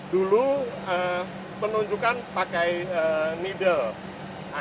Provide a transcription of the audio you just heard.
dulu penunjukan pakai needle